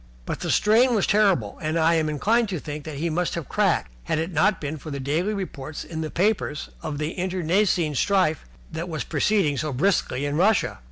But the strain was terrible and I am inclined to think that he must have cracked, had it not been for the daily reports in the papers of the internecine strife which was proceeding so briskly in Russia.